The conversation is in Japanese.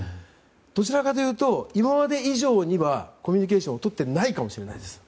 どちらかというと今まで以上にはコミュニケーションを取ってないかもしれないです